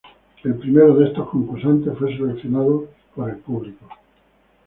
El primero de estos concursantes fue seleccionado por el público.